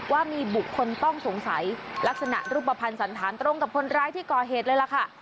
ว่ามีบุคคลต้องสงสัยลักษณะรูปภัณฑ์สันธารตรงกับคนร้ายที่ก่อเหตุเลยล่ะค่ะ